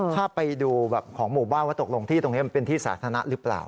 ถ้าไปดูแบบของหมู่บ้านว่าตกลงที่ตรงนี้มันเป็นที่สาธารณะหรือเปล่า